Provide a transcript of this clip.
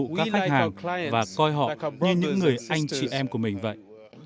chúng tôi rất vui khi được phục vụ các khách hàng và coi họ như những người anh chị em của mình vậy